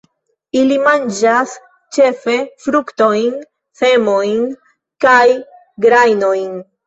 Ili manĝas ĉefe fruktojn, semojn kaj grajnojn.